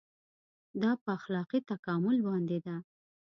دا په اخلاقي تکامل باندې ده.